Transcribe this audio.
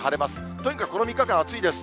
とにかくこの３日間、暑いです。